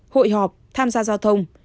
hội họp tham gia giao thông